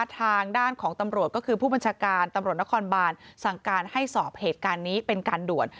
ทางด้านของตำรวจก็คือผู้บัญชาการตำรวจนครบานสั่งการให้สอบเหตุการณ์นี้เป็นการด่วน